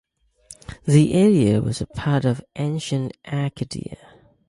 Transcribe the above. The area was part of ancient Arcadia.